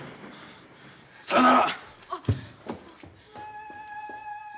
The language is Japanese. さよなら。